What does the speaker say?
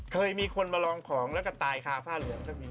เคยมีคนมาลองของแล้วก็ตายคาผ้าเหลืองก็มี